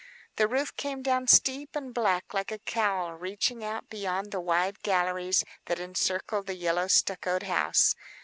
The roof came down steep and black like a cowl, reaching out beyond the wide galleries that encircled the yellow stuccoed house.